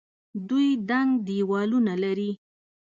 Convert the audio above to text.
دوی دنګ دیوالونه لري.